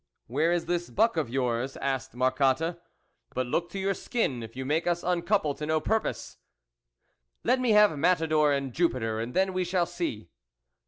" Where is this buck of yours ?" asked Marcotte, " but look to your skin, if you make us uncouple to no purpose." " Let me have Matador and Jupiter, and then we shall see."